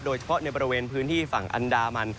โดยเฉพาะในบริเวณพื้นที่ฝั่งอันดามัน